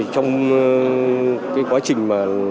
trong cái quá trình mà